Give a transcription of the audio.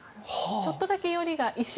ちょっとだけよりが一瞬。